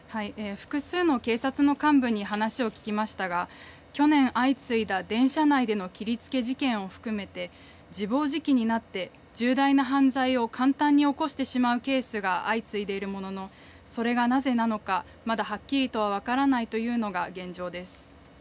複数の警察の幹部に話を聞きましたが去年相次いだ電車内での切りつけ事件を含めて自暴自棄になって重大な犯罪を簡単に起こしてしまうケースが相次いでいるものの、それがなぜなのか、まだはっきりとは分からないというのが現状です。